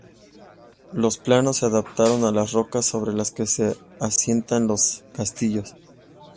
Los planos se adaptaron a las rocas sobre las que se asientan los castillos.